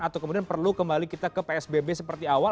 atau kemudian perlu kembali kita ke psbb seperti awal